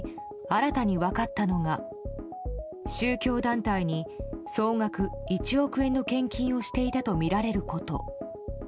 新たに分かったのが宗教団体に総額１億円の献金をしていたとみられること。